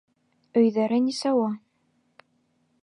Өйҙәре нисауа.